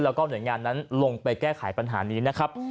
แล้วก็หน่วยงานนั้นลงไปแก้ไขปัญหานี้นะครับ